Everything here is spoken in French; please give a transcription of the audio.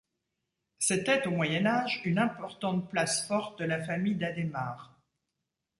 C’était, au Moyen Âge, une importante place forte de la famille d'Adhémar.